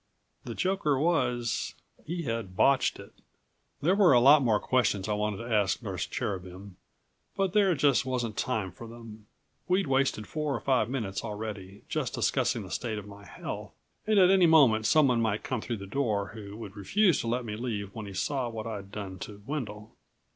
The joker was he had botched it. There were a lot more questions I wanted to ask Nurse Cherubin but there just wasn't time for them. We'd wasted four or five minutes already, just discussing the state of my health, and at any moment someone might come through the door who would refuse to let me leave when he saw what I'd done to Wendel.